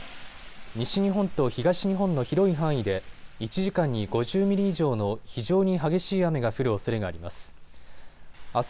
西日本と東日本の広い範囲で１時間に５０ミリ以上の非常に激しい雨が降るおそれがあります。